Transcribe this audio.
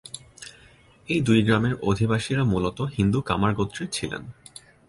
এই দুই গ্রামের অধিবাসীরা মূলত হিন্দু কামার গোত্রের ছিলেন।